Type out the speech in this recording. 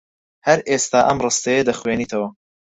هەر ئێستا ئەم ڕستەیە دەخوێنیتەوە.